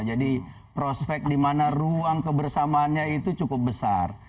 jadi prospek dimana ruang kebersamaannya itu cukup besar